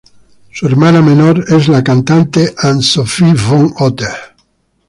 Su hermana menor es la cantante Anne Sofie von Otter.